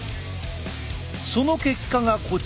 その結果がこちら。